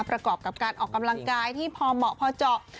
ประกอบกับการออกกำลังกายที่พอเหมาะพอเจาะ